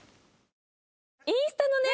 インスタのね